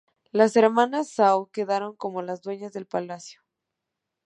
Las hermanas Zhao quedaron como las dueñas del palacio.